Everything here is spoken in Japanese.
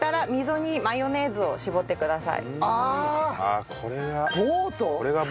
あこれが。